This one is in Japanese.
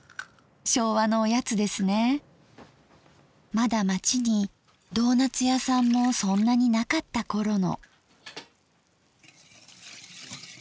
まだ町にドーナッツ屋さんもそんなになかった頃の。